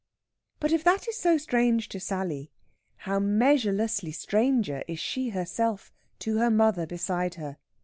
But if that is so strange to Sally, how measurelessly stranger is she herself to her mother beside her!